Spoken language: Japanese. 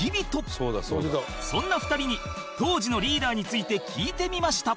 そんな２人に当時のリーダーについて聞いてみました